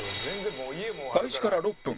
開始から６分